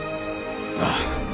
ああ。